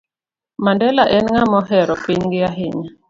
Mandela en ng'ama ohero pinygi ahinya